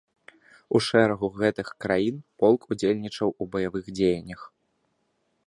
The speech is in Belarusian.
У шэрагу гэтых краін полк удзельнічаў у баявых дзеяннях.